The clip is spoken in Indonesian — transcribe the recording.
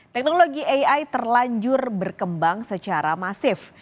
teknologi ai terlanjur berkembang secara masif